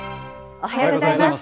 おはようございます。